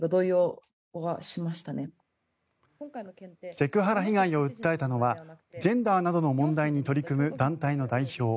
セクハラ被害を訴えたのはジェンダーなどの問題に取り組む団体の代表